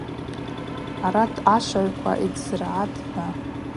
Арат ашвагӏвква йыдзыргӏатӏ, – хӏва.